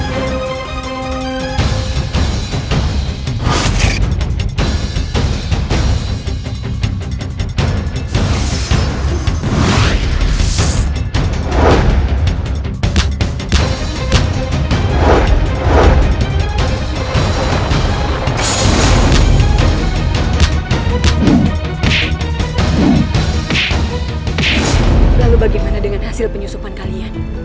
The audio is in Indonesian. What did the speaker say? lalu bagaimana dengan hasil penyusupan kalian